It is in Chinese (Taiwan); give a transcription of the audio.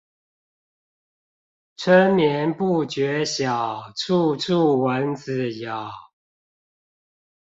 春眠不覺曉，處處蚊子咬